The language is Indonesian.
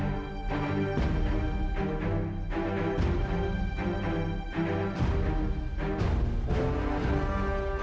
assalamualaikum warahmatullahi wabarakatuh